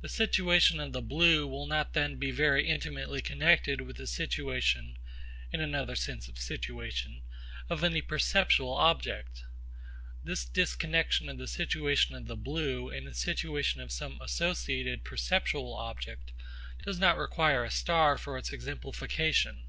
The situation of the blue will not then be very intimately connected with the situation (in another sense of 'situation') of any perceptual object. This disconnexion of the situation of the blue and the situation of some associated perceptual object does not require a star for its exemplification.